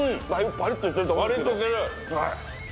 パリッとしてる。